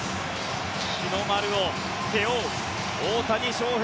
日の丸を背負う大谷翔平。